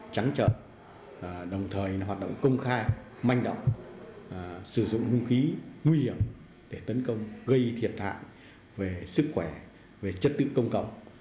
tấn công gây thiệt hạn về sức khỏe về trật tự công cộng